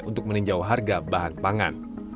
untuk meninjau harga bahan pangan